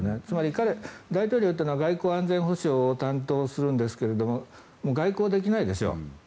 つまり大統領というのは外交・安全保障を担当するんですがもう外交できないですよ。